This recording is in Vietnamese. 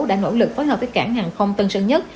đã nỗ lực phối hợp với cảng hàng không tân sơn nhất